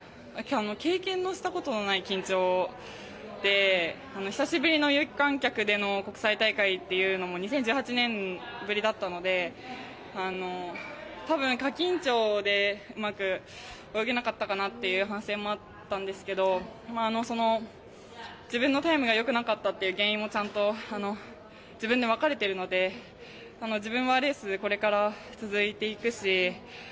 １００のバタフライに関しては自分でも経験したことのない緊張で久しぶりの有観客での国際大会というのも２０１８年ぶりだったので多分、過緊張でうまく泳げなかったという反省もあったんですけどその自分のタイムがよくなかったという原因もちゃんと自分でわかれてるので自分はレース、これから続いていくし